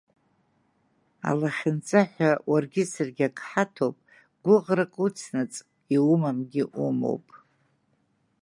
Алахьынҵа ҳәа уаргьы саргьы ак ҳаҭоуп, гәыӷрак уцнаҵ иумамгьы умоуп.